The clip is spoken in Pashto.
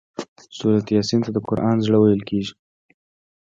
سورة یس ته د قران زړه ويل کيږي